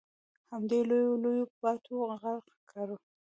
همدې لویو لویو باټو غرق کړو.